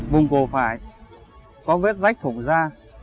vùng cổ phải có vết rách thủng ra